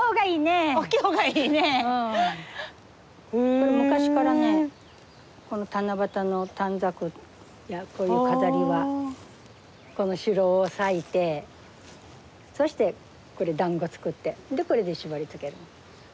これ昔からねこの七夕の短冊やこういう飾りはこのシュロを裂いてそしてこれだんご作ってでこれで縛りつけるの。